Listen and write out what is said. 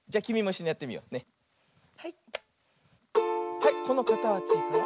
はいこのかたちから。